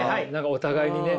お互いにね。